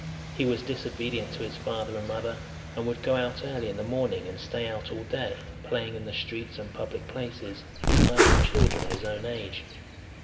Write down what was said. He was disobedient to his father and mother, and would go out early in the morning and stay out all day, playing in the streets and public places with idle children of his own age.